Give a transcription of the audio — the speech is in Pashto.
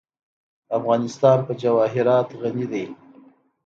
افغانستان په جواهرات غني دی.